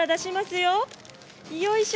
よいしょ。